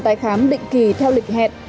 tài khám định kỳ theo lịch hẹn